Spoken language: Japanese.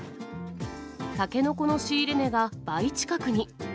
タケノコの仕入れ値が倍近くに。